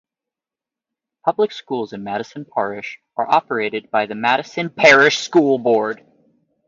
Public schools in Madison Parish are operated by the Madison Parish School Board.